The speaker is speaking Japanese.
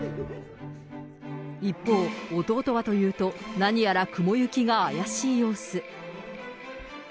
一方、弟はというと、何やら雲行きが怪しい様子。